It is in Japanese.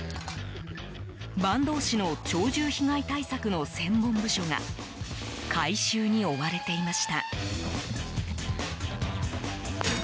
坂東市の鳥獣被害対策の専門部署が回収に追われていました。